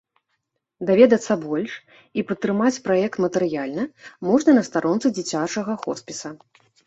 Даведацца больш і падтрымаць праект матэрыяльна можна на старонцы дзіцячага хоспіса.